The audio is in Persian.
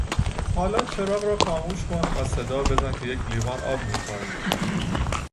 حالا چراغ را خاموش کن و صدا بزن که یک لیوان آب میخواهی.